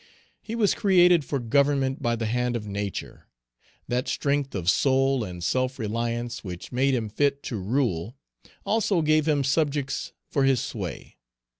He was created for government by the hand of Nature. That strength of soul and self reliance which made him fit to rule also gave him subjects for his sway.